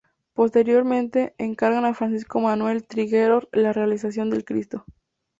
Posteriormente, encargan a Francisco Manuel Trigueros la realización del Cristo.